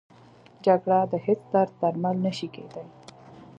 جګړه د هېڅ درد درمل نه شي کېدی